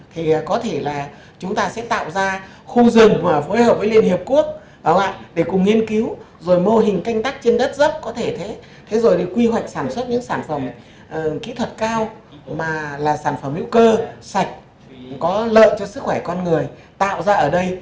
thì có thể là chúng ta sẽ tạo ra khu rừng phối hợp với liên hiệp quốc để cùng nghiên cứu rồi mô hình canh tắc trên đất dấp có thể thế rồi thì quy hoạch sản xuất những sản phẩm kỹ thuật cao mà là sản phẩm hữu cơ sạch có lợi cho sức khỏe con người tạo ra ở đây